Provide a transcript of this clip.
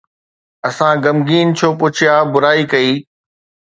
اسان غمگين ڇو پڇيا، برائي ڪئي؟